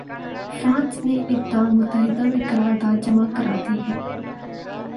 France نے اقدام متحدہ میں قرارداد جمع کرا دی ہے۔